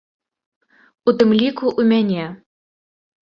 У тым ліку ў мяне.